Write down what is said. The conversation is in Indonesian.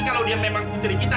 kalau dia memang putri kita